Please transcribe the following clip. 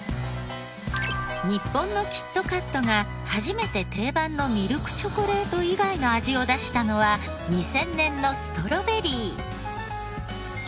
日本のキットカットが初めて定番のミルクチョコレート以外の味を出したのは２０００年のストロベリー。